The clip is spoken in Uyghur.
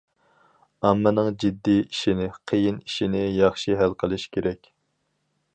ئاممىنىڭ جىددىي ئىشىنى، قىيىن ئىشىنى ياخشى ھەل قىلىش كېرەك.